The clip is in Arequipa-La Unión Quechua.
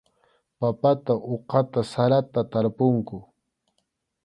Papata uqata sarata tarpunku.